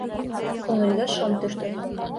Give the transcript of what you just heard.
Күңелгә шом төштө.